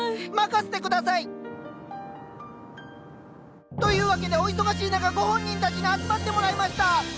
任せて下さい！というわけでお忙しい中ご本人たちに集まってもらいました！